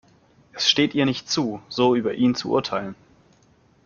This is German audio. Es steht ihr nicht zu, so über ihn zu urteilen.